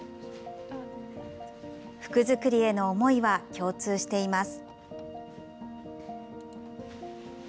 服作りへの思いは共通しています。